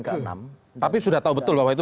ke enam tapi sudah tahu betul bahwa itu